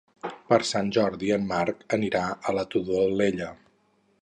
Per Sant Jordi en Marc anirà a la Todolella.